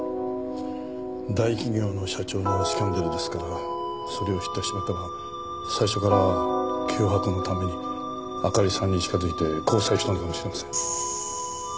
大企業の社長のスキャンダルですからそれを知った柴田は最初から脅迫のためにあかりさんに近づいて交際したのかもしれません。